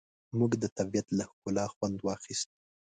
موږ د طبیعت له ښکلا خوند واخیست.